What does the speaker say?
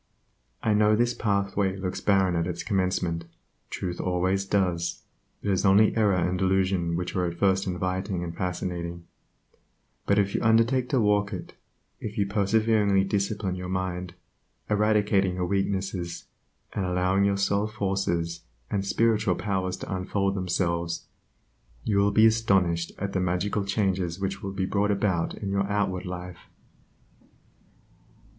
I know this pathway looks barren at its commencement (truth always does, it is only error and delusion which are at first inviting and fascinating,) but if you undertake to walk it; if you perseveringly discipline your mind, eradicating your weaknesses, and allowing your soul forces and spiritual powers to unfold themselves, you will be astonished at the magical changes which will be brought about in your outward life.